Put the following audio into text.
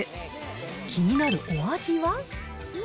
気になるお味は？